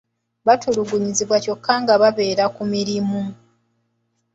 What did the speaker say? Batulugunyizibwa kyokka nga babeera ku mirimu .